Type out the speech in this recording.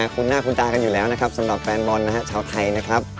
คุณหน้าคุณตากันอยู่แล้วนะครับสำหรับแฟนบอลนะฮะชาวไทยนะครับ